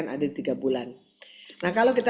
ada tiga bulan nah kalau kita